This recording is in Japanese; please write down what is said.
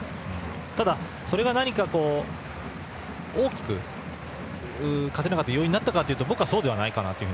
ただ、それが何かこう大きく勝てなかった要因になったかというと僕はそうではないかなと。